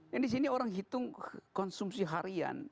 dan di sini orang hitung konsumsi harian